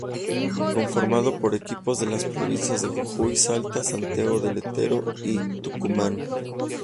Conformado por equipos de las provincias de Jujuy, Salta, Santiago del Estero y Tucumán.